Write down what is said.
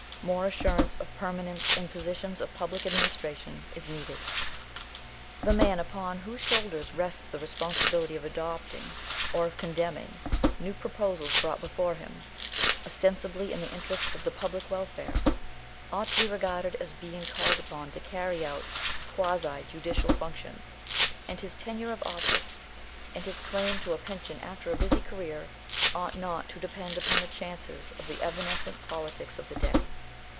More assurance of permanence in positions of public administration is needed. The man upon whose shoulders rests the responsibility of adopting, or of condemning, new proposals brought before him, ostensibly in the interests of the public welfare, ought to be regarded as being called upon to carry out quasi judicial functions; and his tenure of office, and his claim to a pension after a busy career, ought not to depend upon the chances of the evanescent politics of the day.